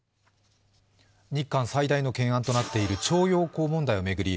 日韓最大の懸案となっている徴用工問題を巡り